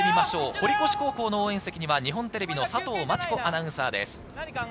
堀越高校の応援席には日本テレビの佐藤真知子アナウンサーです。